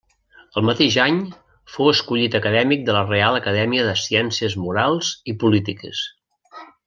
El mateix any fou escollit acadèmic de la Reial Acadèmia de Ciències Morals i Polítiques.